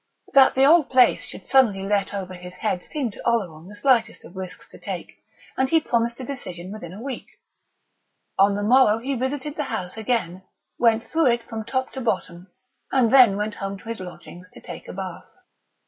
That the old place should suddenly let over his head seemed to Oleron the slightest of risks to take, and he promised a decision within a week. On the morrow he visited the house again, went through it from top to bottom, and then went home to his lodgings to take a bath.